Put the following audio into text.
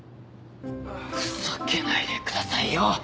ふざけないでくださいよ！